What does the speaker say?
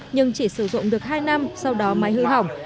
nhưng chỉ sử dụng được hai năm sau đó máy hư hỏng